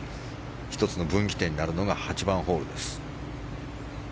１つの分岐点になるのが８番ホールです。